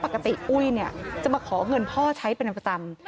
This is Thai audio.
เพราะปกติอุ้ยจะมาขอเงินพ่อใช้เป็นประจำ